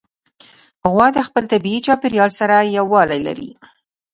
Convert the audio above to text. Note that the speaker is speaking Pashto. غوا د خپل طبیعي چاپېریال سره یووالی لري.